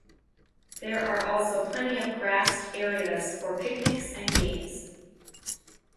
There are also plenty of grassed areas for picnics and games.